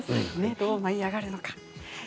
どう舞い上がるのか。